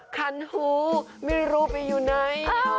กันหูมิรูปลียูไน